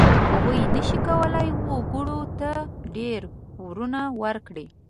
هغوی نشي کولای وګړو ته ډېر پورونه ورکړي.